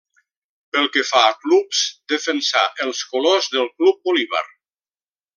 Pel que fa a clubs, defensà els colors del Club Bolívar.